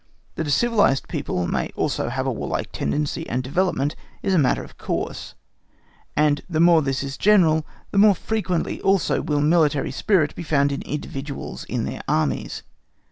That a civilised people may also have a warlike tendency and development is a matter of course; and the more this is general, the more frequently also will military spirit be found in individuals in their armies.